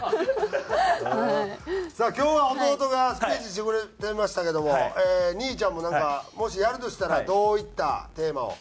さあ今日は弟がスピーチしてくれてましたけども兄ちゃんもなんかもしやるとしたらどういったテーマを？